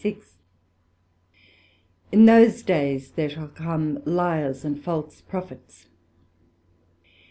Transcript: SECT.46 In those days there shall come lyars and false prophets.